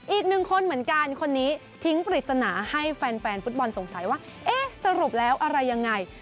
อีกหนึ่งคนเหมือนกันคนนี้ทิ้งปริศนาให้แฟนฟุตบอลสงสัยว่าเอ๊ะสรุปแล้วอะไรยังไง